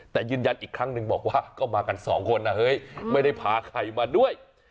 แต่ยืนยันอีกครั้งหนึ่งบอกว่าก็มากันสองคนนะเฮ้ยไม่ได้พาใครมาด้วย